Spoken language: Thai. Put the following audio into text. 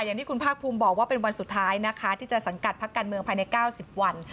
อย่างที่คุณภาคภูมิบอกว่าเป็นวันสุดท้ายนะคะที่จะสังกัดพักการเมืองภายใน๙๐วัน